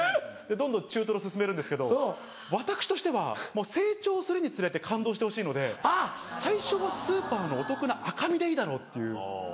どんどん中トロ薦めるんですけど私としては成長するにつれて感動してほしいので最初はスーパーのお得な赤身でいいだろうっていう。